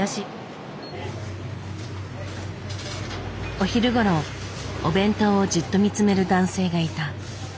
お昼ごろお弁当をじっと見つめる男性がいた。